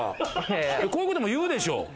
こういうことも言うでしょ？